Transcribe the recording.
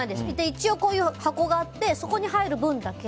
一応、箱があってそこに入る分だけ。